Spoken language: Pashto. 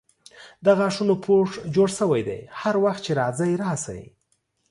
د غاښونو پوښ جوړ سوی دی هر وخت چې راځئ راسئ.